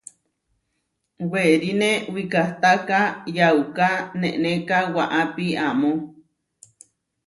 Weriné wikahtáka yauká nenéka waʼápi amó.